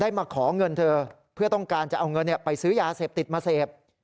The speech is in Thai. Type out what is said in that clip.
มาขอเงินเธอเพื่อต้องการจะเอาเงินไปซื้อยาเสพติดมาเสพ